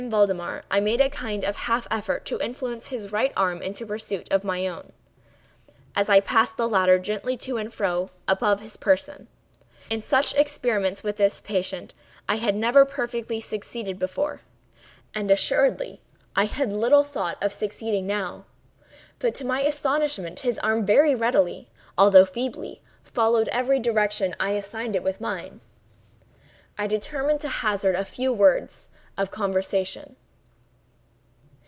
Valdemar I made a kind of half effort to influence his right arm into pursuit of my own, as I passed the latter gently to and fro above his person. In such experiments with this patient, I had never perfectly succeeded before, and assuredly I had little thought of succeeding now; but to my astonishment, his arm very readily, although feebly, followed every direction I assigned it with mine. I determined to hazard a few words of conversation.